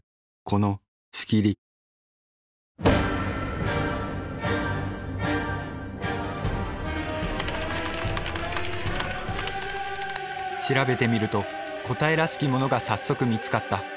この「仕切り」調べてみると答えらしきものが早速見つかった。